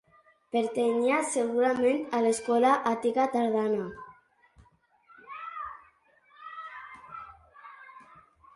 Pertanyia segurament a l'escola àtica tardana.